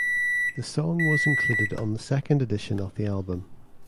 The song was included on the second edition of the album.